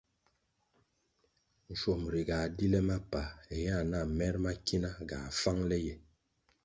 Nschuomri ga di le mapa héa nah mer ma kina ga fáng le ye.